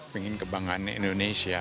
pengen kebanggaan indonesia